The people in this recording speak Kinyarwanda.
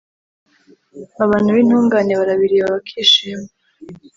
abantu b'intungane barabireba, bakishima